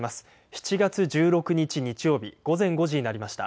７月１６日、日曜日午前５時になりました。